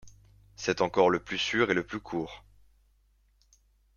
C'est encore le plus sûr et le plus court.